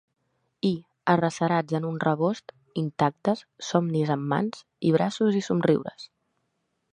I, arrecerats en un rebost, intactes, somnis amb mans, i braços, i somriures.